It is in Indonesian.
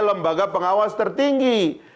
lembaga pengawas tertinggi